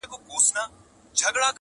• ښکلا پر سپینه غاړه ,